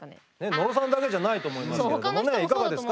野呂さんだけじゃないと思いますけれどもいかがですか？